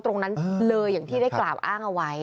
ตรงนั้นเลยอย่างที่ได้กล่าวอ้างเอาไว้